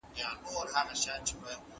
ولسي جرګه د حکومت د حساب ورکونې غوښتنه کوي.